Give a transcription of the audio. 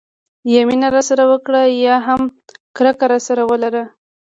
یا مینه راسره وکړه او یا هم کرکه راسره ولره.